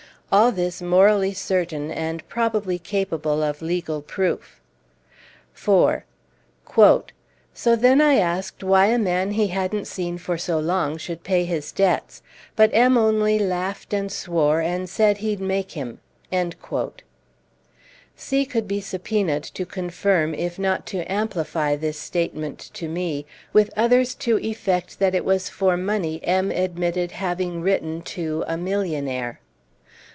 All this morally certain and probably capable of legal proof. 4. "So then I asked why a man he hadn't seen for so long should pay his debts; but M. only laughed and swore, and said he'd make him." C. could be subpoenaed to confirm if not to amplify this statement to me, with others to effect that it was for money M. admitted having written to "a millionaire."